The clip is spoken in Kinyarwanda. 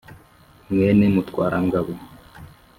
mwene mutwarangabo